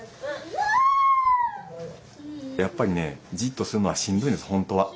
やっぱりねじっとするのはしんどいんですほんとは。